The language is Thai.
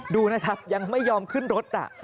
ดูนะครับยังไม่ยอมขึ้นรถ